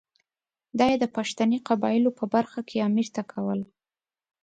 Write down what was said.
دا یې د پښتني قبایلو په برخه کې امیر ته کول.